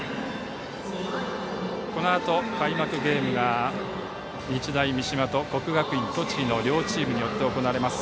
このあと開幕ゲームが日大三島と国学院栃木の両チームによって行われます。